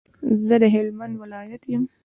زه د هلمند ولایت یم.